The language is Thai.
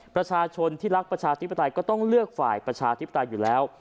ประชาชนที่รักประชาธิปไตยก็ต้องเลือกฝ่ายประชาธิปไตยอยู่แล้ว